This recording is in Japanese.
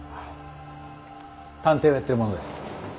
探偵をやってる者です。